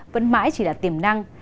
vẫn mãi chỉ là tiềm năng